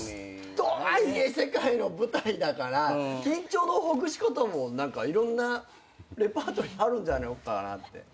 とはいえ世界の舞台だから緊張のほぐし方もいろんなレパートリーあるんじゃないかなって。